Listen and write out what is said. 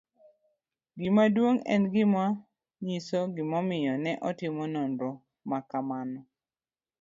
Gima duong' En gima nyiso gimomiyo ne otim nonro ma kamano.